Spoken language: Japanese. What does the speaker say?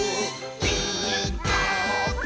「ピーカーブ！」